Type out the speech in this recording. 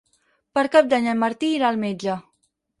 Per Cap d'Any en Martí irà al metge.